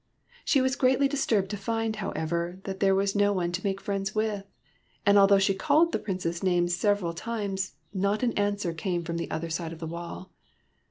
She was greatly disturbed to find, however, that there was no one to make friends with; and although she called the Prince's name several times, not an answer came from the other side of the wall.